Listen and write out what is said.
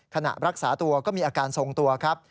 ขณะรักษาตัวก็มีอาการทรงตัวครับ